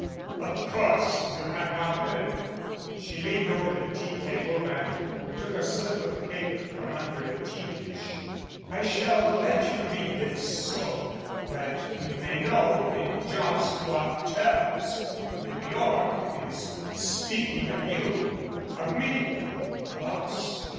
Of course you have not heard." She leaned over the tea table and took a slip of paper from under a tea dish. "I shall let you read this so that you may know in just what terms New York is speaking of you of me of us."